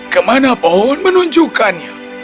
kemana pohon menunjukkannya